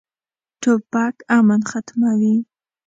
توپک امن ختموي.